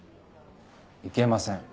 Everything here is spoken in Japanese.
いけません。